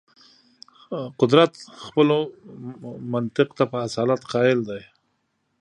قدرت خپلو منطق ته په اصالت قایل دی.